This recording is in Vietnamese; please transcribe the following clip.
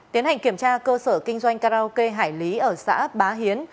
tiến hành kiểm tra cơ sở kinh doanh karaoke hải lý ở xã bá hiến